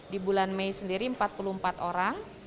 di bulan mei sendiri empat puluh empat orang